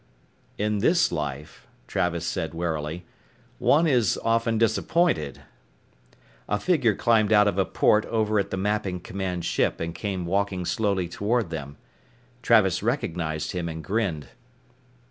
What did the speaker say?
"In this life," Travis said warily, "one is often disappointed." A figure climbed out of a port over at the Mapping Command ship and came walking slowly toward them. Travis recognized him and grinned.